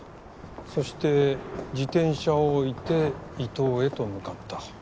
そして自転車を置いて伊東へと向かった。